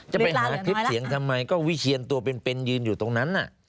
จะไปหาคลิปเสียงทำไมก็วิเชียนตัวเป็นยืนอยู่ตรงนั้น